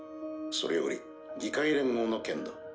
それより議会連合の件だ。